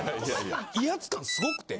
威圧感すごくて。